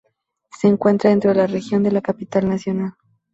Se encuentra dentro de la Región de la Capital Nacional.